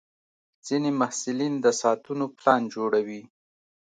ځینې محصلین د ساعتونو پلان جوړوي.